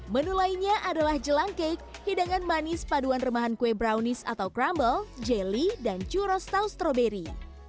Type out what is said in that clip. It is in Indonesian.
menu lainnya adalah jelang cake hidangan manis paduan remahan kue brownies atau crumble jelly dan churos tau stroberi